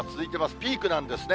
ピークなんですね。